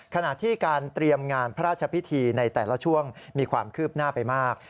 ขณะที่การเตรียมงานพระราชพิธีในแต่ละช่วงมีความคืบหน้าไปมาก